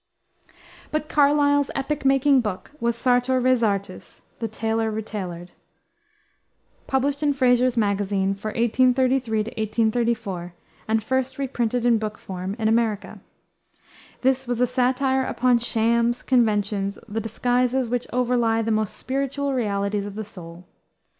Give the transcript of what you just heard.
But Carlyle's epoch making book was Sartor Resartus (The Tailor Retailored), published in Fraser's Magazine for 1833 1834, and first reprinted in book form in America. This was a satire upon shams, conventions, the disguises which overlie the most spiritual realities of the soul.